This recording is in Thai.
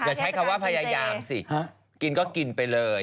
ใช้คำว่าพยายามสิกินก็กินไปเลย